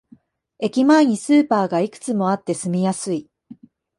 駅前にスーパーがいくつもあって住みやすい